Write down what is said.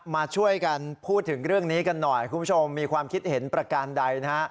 มาช่วยกันพูดถึงเรื่องนี้กันหน่อยคุณผู้ชมมีความคิดเห็นประการใดนะฮะ